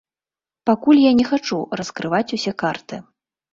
Пакуль я не хачу раскрываць усе карты.